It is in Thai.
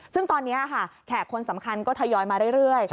ซึ่งตอนนี้ค่ะแขกคนสำคัญก็ทยอยมาเรื่อย